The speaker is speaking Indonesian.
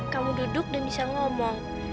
kamu duduk dan bisa ngomong